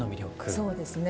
そうですね。